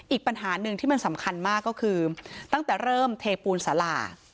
อีกปัญหาหนึ่งที่มันสำคัญมากก็คือตั้งแต่เริ่มเทปูนสารา